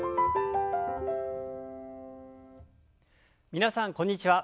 皆さんこんにちは。